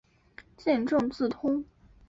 见正字通。